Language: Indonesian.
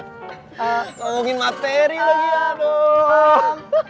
ngomongin materi lagi ya dong